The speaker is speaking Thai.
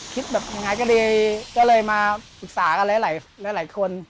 คิดแบบยังไงก็ดีก็เลยมาปรึกษากันหลายคน